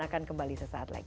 akan kembali sesaat lagi